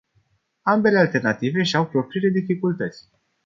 Ambele alternative își au propriile dificultăți.